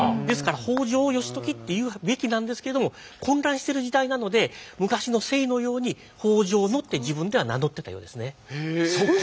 ですから北条義時って言うべきなんですけれども混乱してる時代なので昔の姓のように北条って自分では名乗ってたようですね。